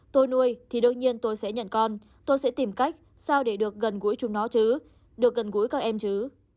tôi nuôi thì đương nhiên tôi sẽ nhận con tôi sẽ tìm cách sao để được gần gũi chúng nó chứ được gần gũi các em chứ